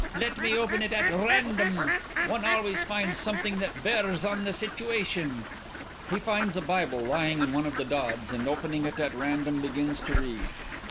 Let me open it at random. One always finds something that bears on the situation. (_He finds a Bible lying in one of the dods and opening it at random begins to read.